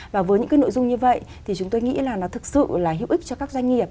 và với những cái nội dung như vậy thì chúng tôi nghĩ là nó thực sự là hữu ích cho các doanh nghiệp